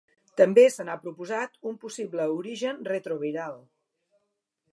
També se n'ha proposat un possible origen retroviral.